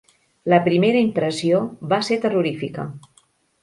La primera impressió va ser terrorífica.